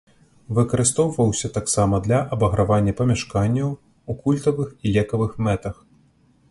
Выкарыстоўваўся таксама для абагравання памяшканняў, у культавых і лекавых мэтах.